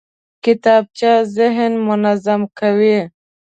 کتابچه ذهن منظم کوي